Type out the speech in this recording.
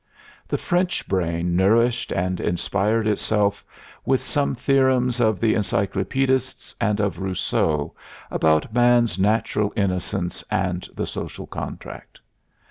The French brain nourished and inspired itself with some theorems of the encyclopedists and of Rousseau about man's natural innocence and the social contract.